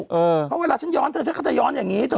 เพราะเวลาฉันย้อนเธอฉันก็จะย้อนอย่างนี้เธอ